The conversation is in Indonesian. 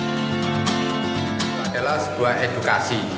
ini adalah sebuah edukasi